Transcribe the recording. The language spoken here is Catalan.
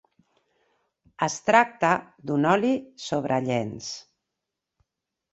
Es tracta d'un oli sobre llenç.